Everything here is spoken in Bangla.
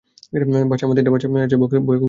বাসায় আমার তিনটা বাচ্চা ভয়ে কুঁকড়ে আছে!